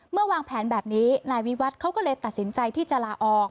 วางแผนแบบนี้นายวิวัฒน์เขาก็เลยตัดสินใจที่จะลาออก